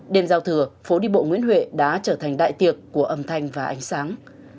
đêm giao thừa phố đi bộ nguyễn huệ đã trở thành đại tiệc của âm thanh và ánh sáng